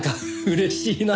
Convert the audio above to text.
嬉しいなぁ。